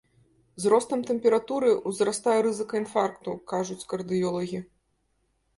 З ростам тэмпературы ўзрастае рызыка інфаркту, кажуць кардыёлагі.